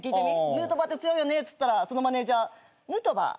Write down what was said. ヌートバーって強いよねっつったらそのマネジャー「ヌートバー？